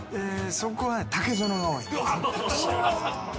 そこはね、竹園が多い。